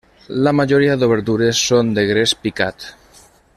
La majoria d'obertures són de gres picat.